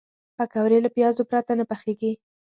پکورې له پیازو پرته نه پخېږي